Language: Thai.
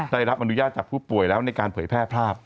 ได้รับอนุญาตจากผู้ป่วยแล้วในการเผยแพร่ภาพ